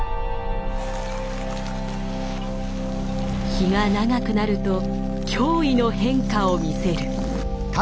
日が長くなると驚異の変化を見せる。